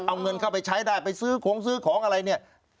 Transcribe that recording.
เอาเงินเข้าไปใช้ได้ไปซื้อของซื้อของอะไรเนี่ย